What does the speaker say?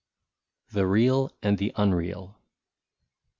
ii6 THE REAL AND THE UNREAL.